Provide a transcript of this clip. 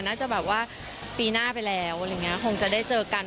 น่าจะแบบว่าปีหน้าไปแล้วคงจะได้เจอกัน